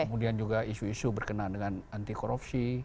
kemudian juga isu isu berkenaan dengan anti korupsi